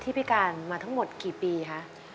พิการมาทั้งหมดกี่ปีคะ